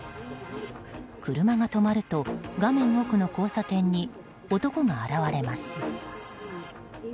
車が止まると、画面奥の交差点に男が現れます。